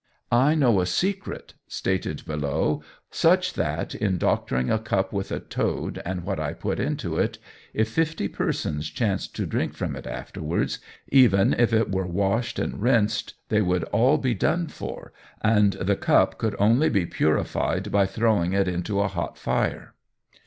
"I know a secret," stated Belot, "such, that in doctoring a cup with a toad, and what I put into it, if fifty persons chanced to drink from it afterwards, even if it were washed and rinsed, they would all be done for, and the cup could only be purified by throwing it into a hot fire.